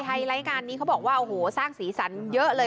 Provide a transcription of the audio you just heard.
ไฮไลท์การนี้เขาบอกว่าสร้างศีลสันเยอะเลย